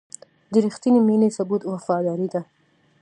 د رښتینې مینې ثبوت وفاداري ده.